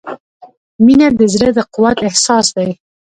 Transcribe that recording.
• مینه د زړۀ د قوت احساس دی.